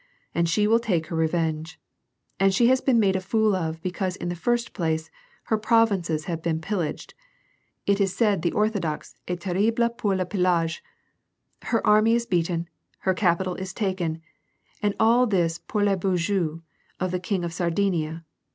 And she will take her revenge. And she has been made a fool of because in the first place her prov inces have been pillaged (it is said the Orthodox est terrible four le pillage), her army is beaten, her capital is taken, and all this pour les beaux yeux of the King of Sardinia.